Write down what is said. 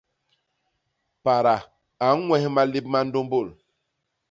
Pada a ññwes malép ma ndômbôl.